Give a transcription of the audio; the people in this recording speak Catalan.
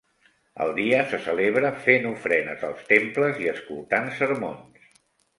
El dia se celebra fent ofrenes als temples i escoltant sermons.